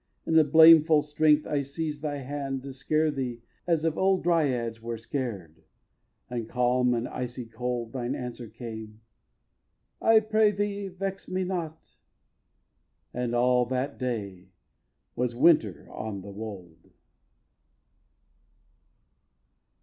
In a blameful strength I seiz'd thy hand, to scare thee, as of old Dryads were scared; and calm and icy cold Thine answer came: "I pray thee, vex me not!" And all that day 'twas winter on the wold.